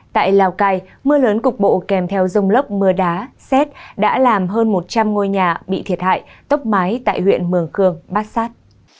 tại lào cai mưa lớn cục bộ kèm theo rông lốc mưa đá xét đã làm hơn một trăm linh ngôi nhà bị thiệt hại tốc mái tại huyện mường khương bát sát